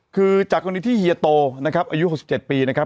คือจากกรณีที่เฮียโตนะครับอายุ๖๗ปีนะครับ